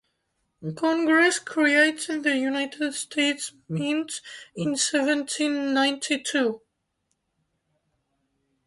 Congress created the United States Mint in Seventeen Ninety-two.